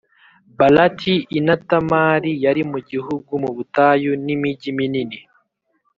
Balati l na tamari yari mu gihugu mu butayu n imigi minini